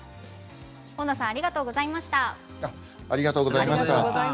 大野さんありがとうございました。